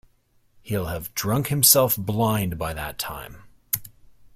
He'll have drunk himself blind by that time.